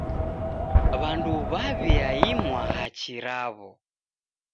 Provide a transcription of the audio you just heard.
W'andu w'aw'iaimwa hachi raw'o.